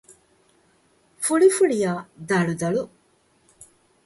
ފުޅިފުޅިއައި ދަޅުދަޅު